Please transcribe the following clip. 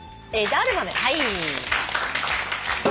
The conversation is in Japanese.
はい。